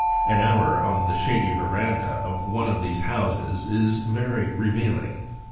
An hour on the shady verandah of one of these houses is very revealing.